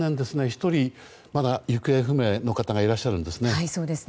１人、まだ行方不明の方がいらっしゃるんですね。